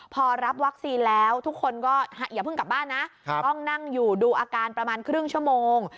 พอรับวัคซีนแล้วทุกคนก็อย่าเพิ่งกลับบ้านนะต้องนั่งอยู่ดูอาการประมาณครึ่งชั่วโมง